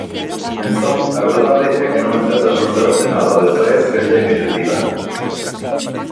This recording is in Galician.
Entón, a verdade é que non entendo absolutamente nada de traer esta iniciativa.